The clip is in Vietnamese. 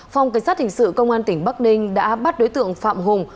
phòng cảnh sát hình sự công an tỉnh bắc ninh đã bắt đối tượng phạm hùng